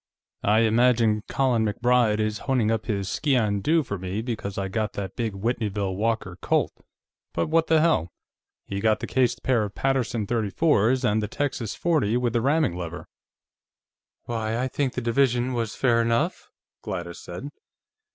I imagine Colin MacBride is honing up his sgian dhu for me because I got that big Whitneyville Walker Colt, but what the hell; he got the cased pair of Paterson .34's, and the Texas .40 with the ramming lever." "Why, I think the division was fair enough," Gladys said.